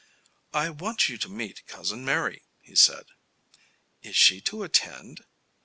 "I want you to meet Cousin Mary," he said. "Is she to attend?"